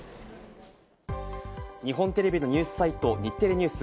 日本テレビのニュースサイト・日テレＮＥＷＳ。